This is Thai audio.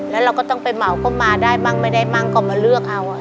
แล้วเราก็ต้องไปเหมาเข้ามาได้บ้างไม่ได้บ้างก็มาเลือกเอาอ่ะ